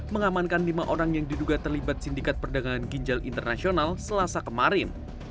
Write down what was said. mengamankan lima orang yang diduga terlibat sindikat perdagangan ginjal internasional selasa kemarin